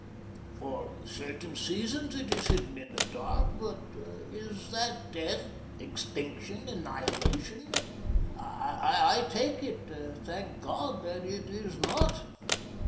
For certain seasons, it is hidden in the dark, but is that death, extinction, annihilation? I take it, thank God, that it is not.